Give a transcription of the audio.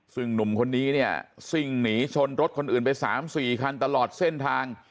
ซึ่งหนุ่มคนนี้เนี่ยซิ่งหนีชนรถคนอื่นไป๓๔คันตลอดเส้นทาง